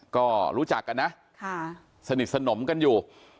ก็รู้จักกันนะสนิทสนมกันอยู่